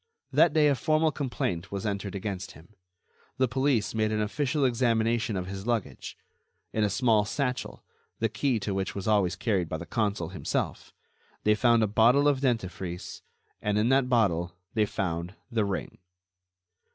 That day, a formal complaint was entered against him. The police made an official examination of his luggage. In a small satchel, the key to which was always carried by the consul himself, they found a bottle of dentifrice, and in that bottle they found the ring.